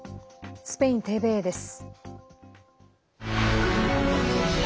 スペインＴＶＥです。